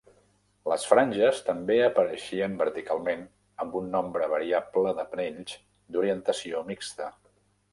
Les franges també apareixien verticalment amb un nombre variable de panells d'orientació mixta.